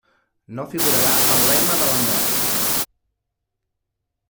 No figurarà el lema de l'anvers.